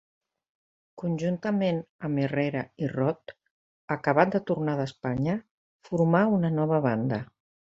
Conjuntament amb Herrera i Rot, acabat de tornar d'Espanya, formà una nova banda.